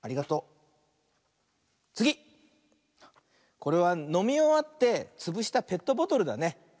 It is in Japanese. これはのみおわってつぶしたペットボトルだね。